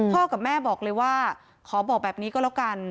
กับแม่บอกเลยว่าขอบอกแบบนี้ก็แล้วกัน